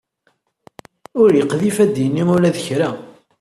Ur yeqdif ad d-yini ula d kra.